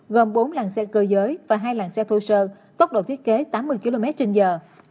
gồm bốn làng xe cơ giới và hai làng xe thô sơ tốc độ thiết kế tám mươi km trên giờ